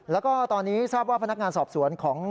แล้วก็ตอนนี้ทราบว่าพนักงานสอบสวนของ